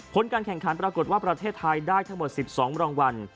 การแข่งขันปรากฏว่าประเทศไทยได้ทั้งหมด๑๒รางวัล